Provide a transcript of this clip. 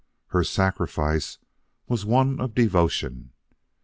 Her sacrifice was one of devotion!